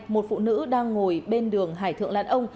một phụ nữ đang ngồi bên đường hải thượng lãn ông